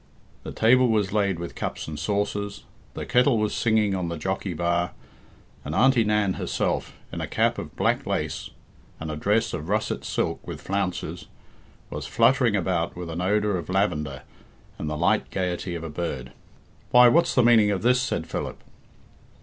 The table was laid with cups and saucers, the kettle was singing on the jockey bar, and Auntie Nan herself, in a cap of black lace and a dress of russet silk with flounces, was fluttering about with an odour of lavender and the light gaiety of a bird. "Why, what's the meaning of this?" said Philip.